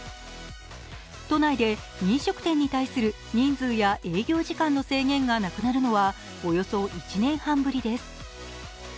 都内で飲食店に対する人数や営業時間の制限がなくなるのは、およそ１年半ぶりです。